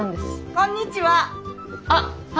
・こんにちは！